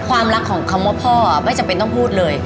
ความรักของคำว่าพ่อไม่จำเป็นต้องพูดเลย